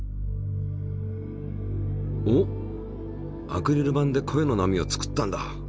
おっアクリル板で声の波を作ったんだ。